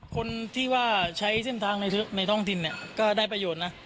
คนที่ว่าใช้เส้นทางในท้องถิ่นก็ได้ประโยชน์นะ